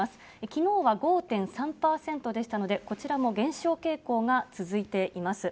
きのうは５．３％でしたので、こちらも減少傾向が続いています。